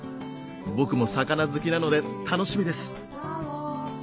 僕も魚好きなので楽しみです。